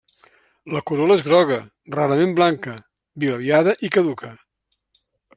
La corol·la és groga, rarament blanca, bilabiada i caduca.